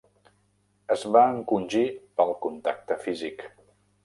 Es va encongir pel contacte físic.